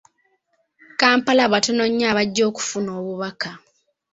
Kampala batono nnyo abajja okufuna obubaka.